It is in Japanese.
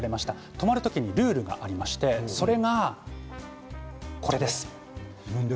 泊まる時にルールがありましてそれがこれです。